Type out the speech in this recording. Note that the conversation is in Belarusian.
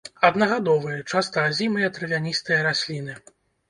Аднагадовыя, часта азімыя травяністыя расліны.